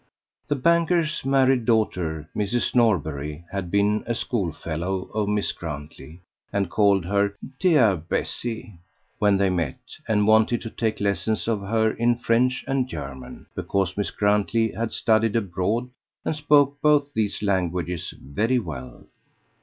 The banker's married daughter, Mrs. Norbury, had been a schoolfellow of Miss Grantley, and called her "dear Bessie" when they met, and wanted to take lessons of her in French and German; because Miss Grantley had studied abroad, and spoke both these languages very well.